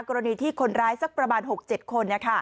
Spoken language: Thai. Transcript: กรณีที่คนร้ายสักประมาณ๖๗คน